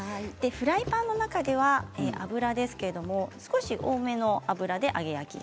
フライパンの中では油ですけれども少し多めの油で揚げ焼き。